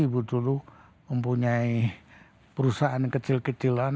ibu dulu mempunyai perusahaan kecil kecilan